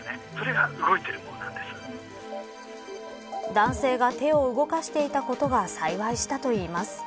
男性が手を動かしていたことが幸いしたといいます。